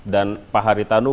dan pak haritano